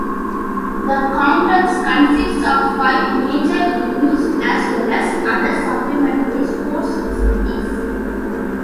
The complex consists of five major venues as well as other supplementary sport facilities.